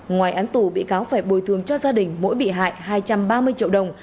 ngoài án tù bị cáo phải bồi thường cho gia đình mỗi bị hại hai trăm ba mươi triệu đồng